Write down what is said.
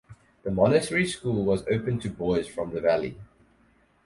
The monastery school was open to boys from the valley.